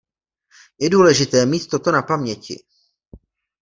Je důležité mít toto na paměti.